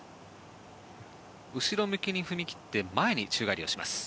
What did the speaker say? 後ろ向きに踏み切って前に宙返りします。